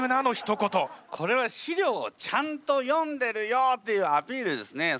これは資料をちゃんと読んでるよっていうアピールですね。